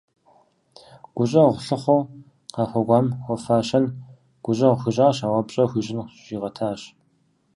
Гущӏэгъу лъыхъуэу къыхуэкӏуам хуэфащэн гущӏэгъу хуищӏащ, ауэ пщӏэ хуищӏын щигъэтащ.